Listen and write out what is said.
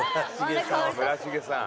村重さん。